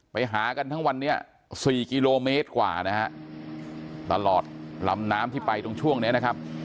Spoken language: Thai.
ไปหากันทั้งวันนี้๔กิโลเมตรกว่านะฮะตลอดลำน้ำที่ไปตรงช่วงนี้นะครับ